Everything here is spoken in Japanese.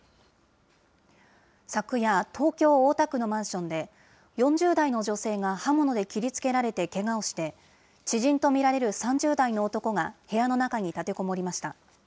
昨夜、東京・大田区のマンションで、４０代の女性が刃物で切りつけられてけがをして、知人と見られる３０代の男が部屋の中に立てこもりました。